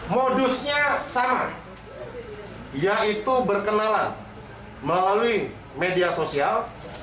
modusnya sama yaitu berkenalan melalui media sosial